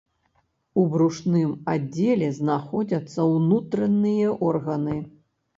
У брушным аддзеле знаходзяцца ўнутраныя органы.